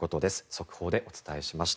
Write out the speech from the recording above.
速報でお伝えしました。